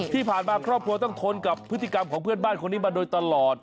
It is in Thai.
ที่ผ่านมาครอบครัวต้องทนกับพฤติกรรมของเพื่อนบ้านคนนี้มาโดยตลอด